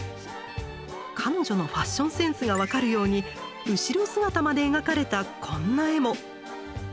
彼女のファッションセンスが分かるように後ろ姿まで描かれたこんな絵も！